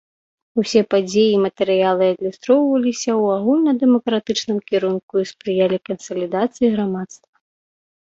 Усе падзеі і матэрыялы адлюстроўваліся ў агульнадэмакратычным кірунку і спрыялі кансалідацыі грамадства.